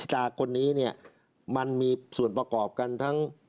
จากคนนี้เนี่ยมันมีส่วนประกอบกันทั้ง